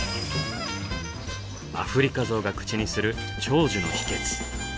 アフリカゾウが口にする長寿の秘訣。